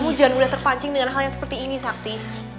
kamu jangan mudah terpancing dengan hal yang seperti ini sakti